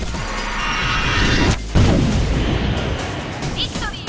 「」「」「ビクトリー」